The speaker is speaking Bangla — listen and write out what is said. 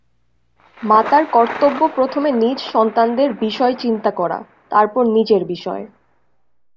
মাতার কর্তব্য প্রথমে নিজ সন্তানদের বিষয় চিন্তা করা, তারপর নিজের বিষয়।